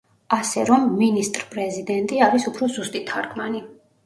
ასე რომ „მინისტრ-პრეზიდენტი“ არის უფრო ზუსტი თარგმანი.